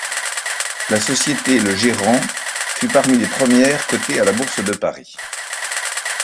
La société le gérant fut parmi les premières cotées à la Bourse de Paris.